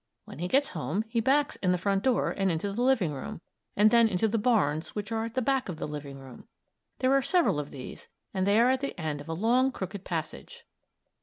When he gets home, he backs in the front door and into the living room, and then into the barns which are back of the living room. There are several of these and they are at the end of a long crooked passage.